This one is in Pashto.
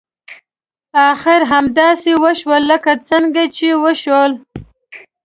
اخر همداسې وشول لکه څنګه چې وشول.